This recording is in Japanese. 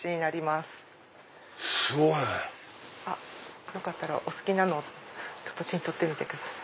すごい！よかったらお好きなのを手に取ってみてください。